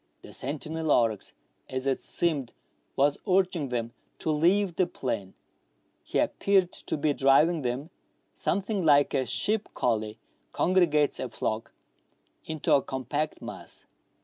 The sentinel oryx, as it seemed, was urging them to leave the plain ; he appeared to be driving them, something like a sheep collie congregates a flock, into a compact mass.